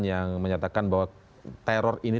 yang menyatakan bahwa teror ini